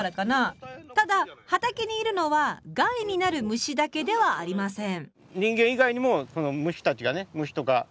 ただ畑にいるのは害になる虫だけではありません。